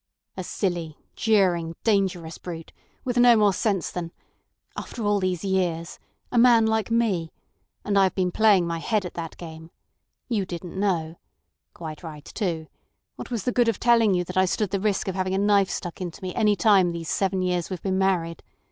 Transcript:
"A silly, jeering, dangerous brute, with no more sense than—After all these years! A man like me! And I have been playing my head at that game. You didn't know. Quite right, too. What was the good of telling you that I stood the risk of having a knife stuck into me any time these seven years we've been married?